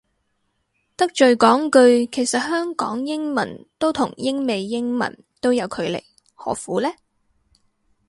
得罪講句，其實香港英文都同英美英文都有距離何苦呢